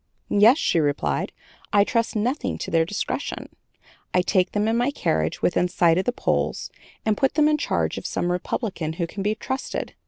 'Yes,' she replied, 'I trust nothing to their discretion. I take them in my carriage within sight of the polls and put them in charge of some Republican who can be trusted.